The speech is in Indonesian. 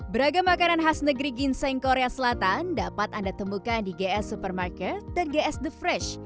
beragam makanan khas negeri ginseng korea selatan dapat anda temukan di gs supermarket dan gs the fresh